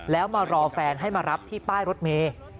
แล้วมารอแฟนให้มารับที่ป้ายรถเมย์